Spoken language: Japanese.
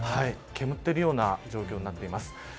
煙っているような状況になっています。